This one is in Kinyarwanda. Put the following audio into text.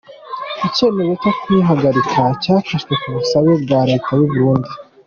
Icyemezo cyo kuyihagarika cyafashwe ku busabe bwa Leta y’u Burundi.